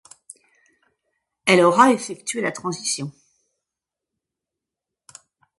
Elle aura effectué la transition.